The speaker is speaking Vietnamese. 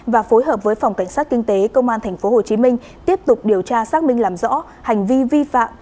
và phối hợp với phòng cảnh sát kinh tế công an tp hcm tiếp tục điều tra xác minh làm rõ hành vi vi phạm